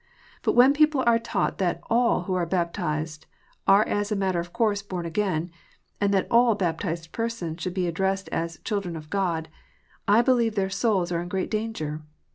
But when people are taught that all who are baptized are as a matter of course born again, and that all baptized persons should be addressed as " children of God," I believe their souls are in great danger.